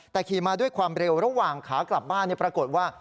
แต่ขี่มาด้วยความเร็วระหว่างขากลับบ้านปรากฏว่า